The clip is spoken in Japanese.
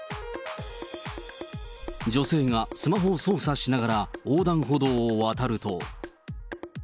女性がスマホを操作しながら、横断歩道を渡ると。